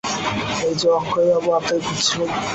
এই-যে অক্ষয়বাবু, আপনাকেই খুঁজছিলুম!